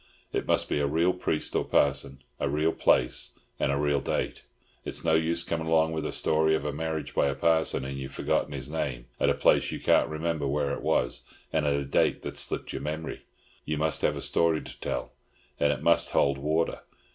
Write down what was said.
It must be a real priest or parson, a real place, and a real date. It's no use coming along with a story of a marriage by a parson and you've forgotten his name, at a place you can't remember where it was, and a date that's slipped your memory. You must have a story to tell, and it must hold water.